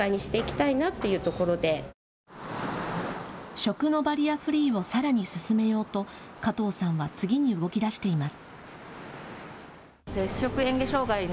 食のバリアフリーをさらに進めようと加藤さんは次に動きだしています。